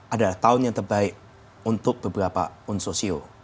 ada tahun yang terbaik untuk beberapa unsur show